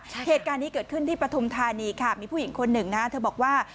เหตุการณ์นี้เกิดขึ้นที่ปฐุมธานีค่ะมีผู้หญิงคนหนึ่งนะเธอบอกว่า